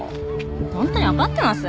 本当にわかってます？